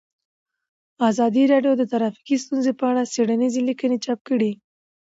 ازادي راډیو د ټرافیکي ستونزې په اړه څېړنیزې لیکنې چاپ کړي.